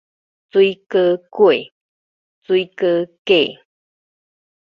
水果粿